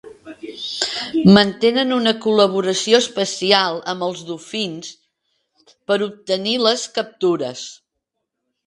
Mantenen una col·laboració especial amb els dofins per obtenir les captures.